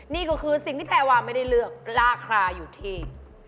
นี่ก็คือสิ่งที่แพรวาไม่ได้เลือกราคาอยู่ที่